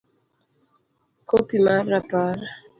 c-Kopi mar Rapar